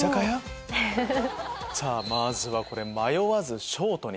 さぁまずはこれ「迷わずショートに！」。